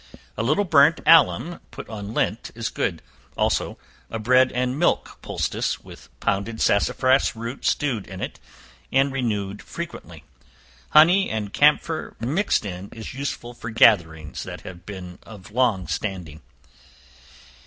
A little burnt alum put on lint is good; also a bread and milk poultice, with pounded sassafras root stewed in it, and renewed frequently. Honey and camphor mixed is useful for gatherings that have been of long standing.